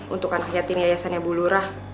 untuk anak yatim yayasannya bulurah